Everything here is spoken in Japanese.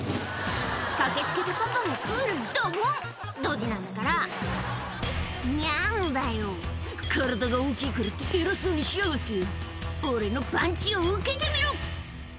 駆け付けたパパもプールにドボンドジなんだから「ニャんだよ体が大きいからって偉そうにしやがって」「俺のパンチを受けてみろ！」